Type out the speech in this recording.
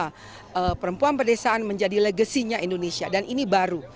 bahwa perempuan perdesaan menjadi legasinya indonesia dan ini baru